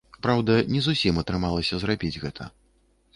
Праўда, не зусім атрымалася зрабіць гэта.